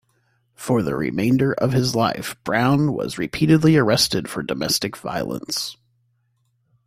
For the remainder of his life, Brown was repeatedly arrested for domestic violence.